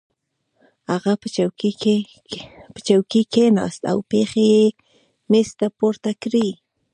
هغه په چوکۍ کېناست او پښې یې مېز ته پورته کړې